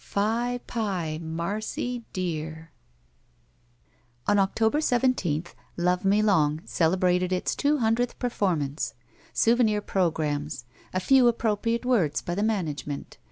'* Phi — pie — Marcy — dear —" On October 17th "Love Me Long" celebrated its ' two hundredth performance. Souvenir programs. A few appropriate words by the management.